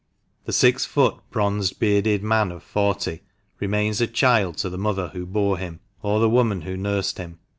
The six foot, bronzed, bearded man of forty remains a child to the mother who bore him, or the woman who nursed him.